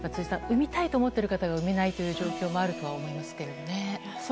産みたいと思っている方が産めないという状況もあるとは思いますけどね。